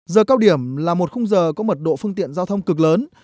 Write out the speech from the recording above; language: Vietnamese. giờ cao điểm là một khung giờ có mật độ phương tiện giao thông cực lớn